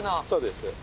そうです。